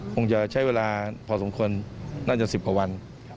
คงจะใช้เวลาพอสองคนน่าจะสิบกว่าวัน